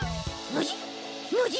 ノジ？